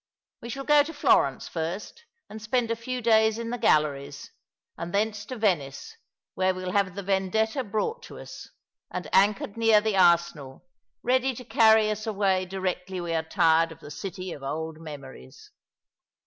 We shall go to Florence first, and spend a few days in the galleries, and thence to Venice, where we will have the Vendetta brought to us, and anchored near the arsenal, ready to carry us away directly we are tired of the city of old memories."